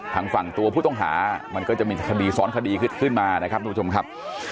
ทางฝั่งตัวผู้ต้องหามันก็จะมีคดีซ้อนคดีขึ้นมานะครับทุกผู้ชมครับ